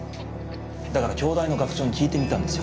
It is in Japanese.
だから京大の学長に聞いてみたんですよ。